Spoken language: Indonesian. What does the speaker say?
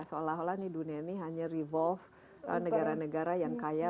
seolah olah dunia ini hanya revolve negara negara yang kaya